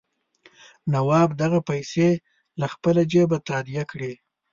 نواب دغه پیسې له خپله جېبه تادیه کړي.